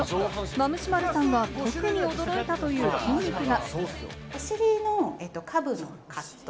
マムシ〇さんが驚いたという筋肉が。